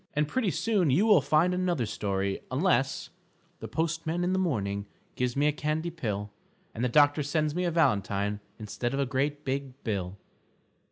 And pretty soon you will find another story unless _The postman in the morning Gives me a candy pill, And the doctor sends me a valentine Instead of a great big bill.